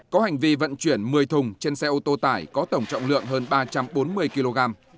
có hành vi vận chuyển một mươi thùng trên xe ô tô tải có tổng trọng lượng hơn ba trăm bốn mươi kg